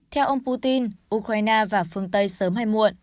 theo ông putin ukraine và phương tây sớm hay muộn